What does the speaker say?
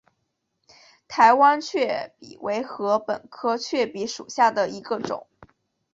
台湾雀稗为禾本科雀稗属下的一个种。